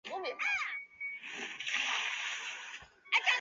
九湖弗蛛为皿蛛科弗蛛属的动物。